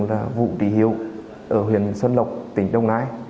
là vụ tỷ hiệu ở huyện xuân lộc tỉnh đông nái